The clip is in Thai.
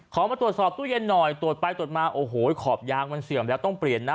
มาตรวจสอบตู้เย็นหน่อยตรวจไปตรวจมาโอ้โหขอบยางมันเสื่อมแล้วต้องเปลี่ยนนะ